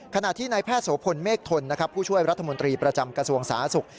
ขณะที่นายแพทย์โสพลเมฆทนผู้ช่วยรัฐมนตรีประจำกระทรวงสาธารณสุข